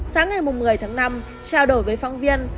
sáng ngày mùng một mươi tháng năm trao đổi với phong viên